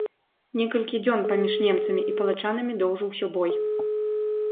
Некалькі дзён паміж немцамі і палачанамі доўжыўся бой.